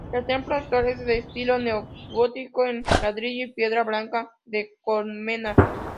El templo actual es de estilo neogótico en ladrillo y piedra blanca de Colmenar.